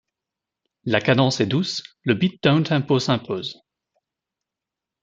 La cadence est douce, le beat downtempo s'impose.